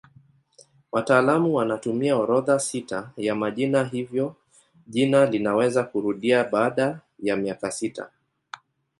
Wataalamu wanatumia orodha sita ya majina hivyo jina linaweza kurudia baada ya miaka sita.